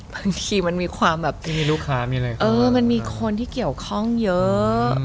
บางทีมันมีความแบบมันมีคนที่เกี่ยวข้องเยอะ